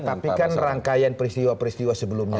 tapi kan rangkaian peristiwa peristiwa sebelumnya